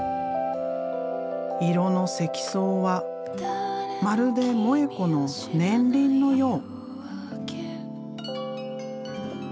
色の積層はまるで萌子の年輪のよう。